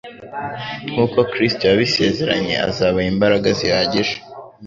Nk'uko Kristo yabisezeranye azabaha imbaraga zihagije